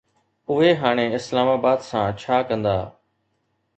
اهي هاڻي اسلام آباد سان ڇا ڪندا؟